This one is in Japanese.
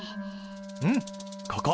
うんここ。